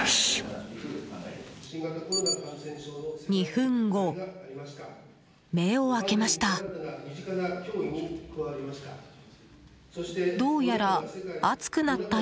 ２分後、目を開けました。